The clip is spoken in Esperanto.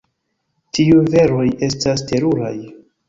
Tiuj veroj estas teruraj!